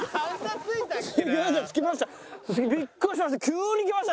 つきました